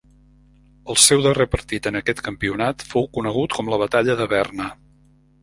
El seu darrer partit en aquest campionat fou conegut com la Batalla de Berna.